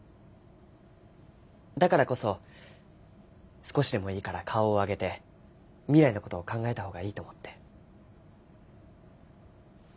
だからこそ少しでもいいから顔を上げて未来の事を考えた方がいいと思って。